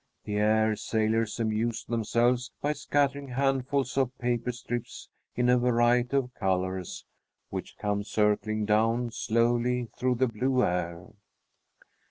The air sailors amuse themselves by scattering handfuls of paper strips in a variety of colors, which come circling down slowly through the blue air.